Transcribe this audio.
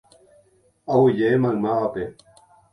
Aguyje maymávape.